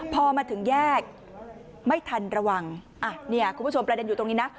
พอมาถึงแยกไม่ทันระวังอ่ะเนี่ยคุณผู้ชมประเด็นอยู่ตรงนี้นะ